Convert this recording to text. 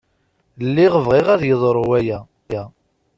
Lliɣ bɣiɣ ad yeḍru waya.